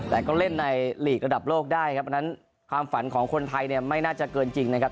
แต่ก็เล่นในหลีกระดับโลกได้ครับอันนั้นความฝันของคนไทยเนี่ยไม่น่าจะเกินจริงนะครับ